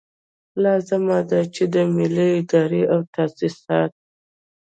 لازمه ده چې ملي ادارې او تاسیسات.